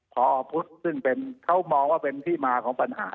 พอพุทธซึ่งเขามองว่าเป็นที่มาของปัญหา